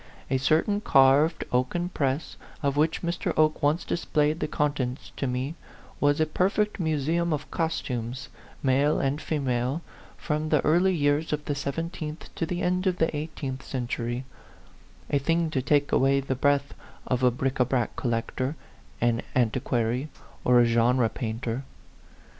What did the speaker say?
68 A PHANTOM LOVER. A certain carved oaken press, of which Mr. Oke once displayed the contents to me, was a perfect museum of costumes, male and fe male, from the early years of the seven teenth to the end of the eighteenth century a thing to take away the breath of a bric a brac collector, an antiquary, or a genre painter.